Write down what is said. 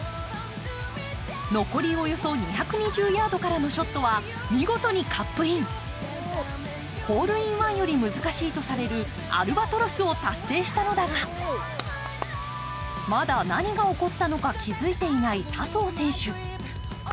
残りおよそ２２０ヤードからのショットは見事にカップイン、ホールインワンより難しいとされるアルバトロスを達成したのだがまだ何が起こったのか気付いていない笹生選手。